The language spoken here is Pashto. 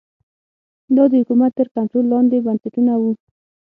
دا د حکومت تر کنټرول لاندې بنسټونه وو